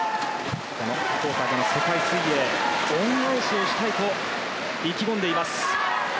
福岡での世界水泳恩返しをしたいと意気込んでいます。